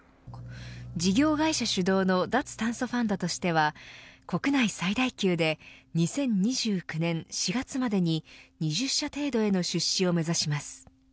事業会社主導の脱炭素ファンドとしては国内最大級で２０２９年４月までに２０社程度への出資を目指します。